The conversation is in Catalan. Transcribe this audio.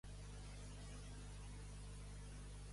Sorollar les posts.